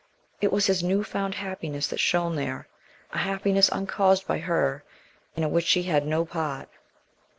It was his new found happiness that shone there, a happiness uncaused by her and in which she had no part.